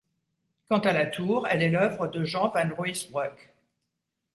Quant à la tour, elle est l'œuvre de Jean van Ruysbroeck.